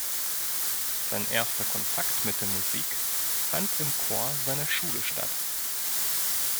Sein erster Kontakt mit der Musik fand im Chor seiner Schule statt.